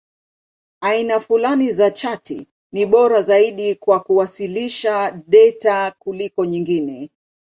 Aina fulani za chati ni bora zaidi kwa kuwasilisha data kuliko nyingine.